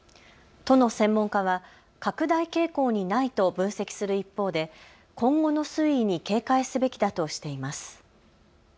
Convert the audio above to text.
都の専門家は拡大傾向にないと分析する一方で今後の推移に警戒すべきだとしています。